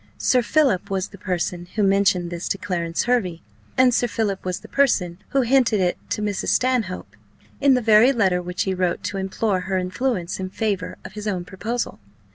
Sir Philip was the person who mentioned this to Clarence Hervey, and Sir Philip was the person who hinted it to Mrs. Stanhope, in the very letter which he wrote to implore her influence in favour of his own proposal.